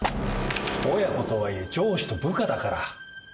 親子とはいえ上司と部下だから。